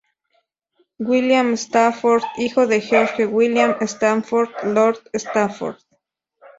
William Stafford, hijo de George William Stafford, lord Stafford.